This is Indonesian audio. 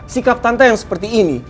sikap tante yang seperti ini